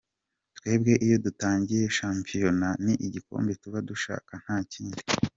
Twebwe iyo dutangiye shampiyona ni igikombe tuba dushaka nta kindi.